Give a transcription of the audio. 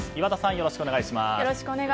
よろしくお願いします。